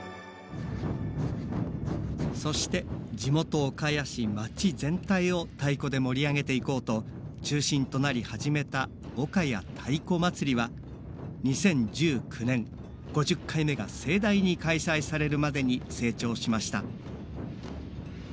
そして地元岡谷市町全体を太鼓で盛り上げていこうと中心となり始めた「岡谷太鼓まつり」は２０１９年５０回目が盛大に開催されるまでに成長しました。